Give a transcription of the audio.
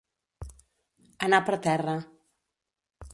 Anar per terra.